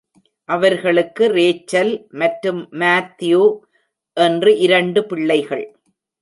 அவர்களுக்கு ரேச்சல் மற்றும் மாத்யூ, என்று இரண்டு பிள்ளைகள்.